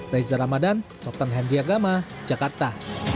raisa ramadan soktan henry agama jakarta